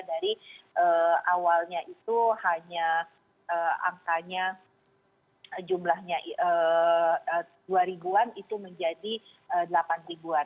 awalnya itu hanya angkanya jumlahnya dua ribuan itu menjadi delapan ribuan